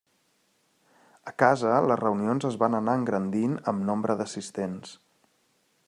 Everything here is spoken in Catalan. A casa, les reunions es van anar engrandint amb nombre d'assistents.